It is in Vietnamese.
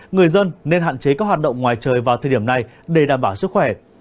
người dân nên hạn chế các hoạt động ngoài trời vào thời điểm này để đảm bảo sức khỏe